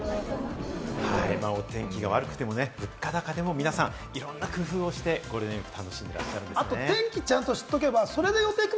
お天気が悪くても物価高でも皆さんいろんな工夫をしてゴールデンウイーク、楽しんでいらっしゃるんですね。